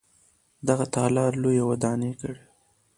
دغه تالار لویه ودانۍ لري.